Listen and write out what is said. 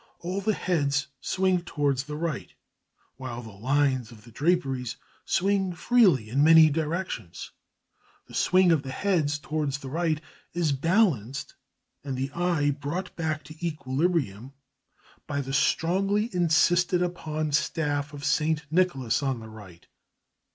All the heads swing towards the right, while the lines of the draperies swing freely in many directions. The swing of the heads towards the right is balanced and the eye brought back to equilibrium by the strongly insisted upon staff of St. Nicholas on the right.